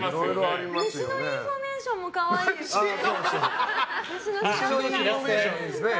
虫のインフォメーションも可愛いですね。